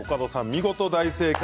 見事、大正解。